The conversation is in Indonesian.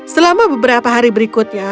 selama beberapa hari berikutnya